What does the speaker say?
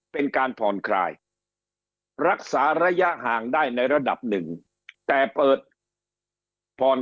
เป็นการผ่อนคลายรักษาระยะห่างได้ในระดับหนึ่งแต่เปิดผ่อน